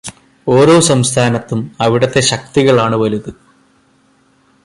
ഓരോ സംസ്ഥാനത്തും അവിടത്തെ ശക്തികളാണ് വലുത്.